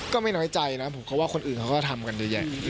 ก็ไม่น้อยใจนะผมก็ว่าคนอื่นเขาก็ทำกันเยอะแยะ